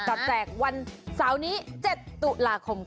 แจกวันเสาร์นี้๗ตุลาคมค่ะ